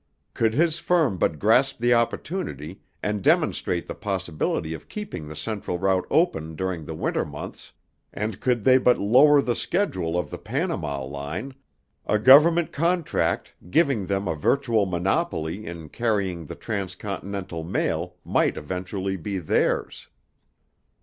Could his firm but grasp the opportunity, and demonstrate the possibility of keeping the Central route open during the winter months, and could they but lower the schedule of the Panama line, a Government contract giving them a virtual monopoly in carrying the transcontinental mail might eventually be theirs.